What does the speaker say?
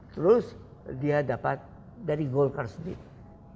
terus dia dapat dari golkar sendiri